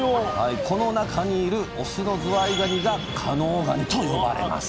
この中にいるオスのずわいがにが「加能がに」と呼ばれます